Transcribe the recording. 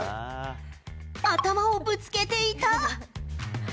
頭をぶつけていた。